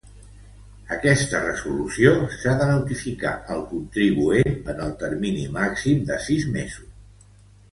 Aquesta resolució s'ha de notificar al contribuent en el termini màxim de sis mesos.